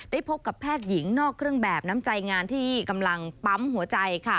พบกับแพทย์หญิงนอกเครื่องแบบน้ำใจงานที่กำลังปั๊มหัวใจค่ะ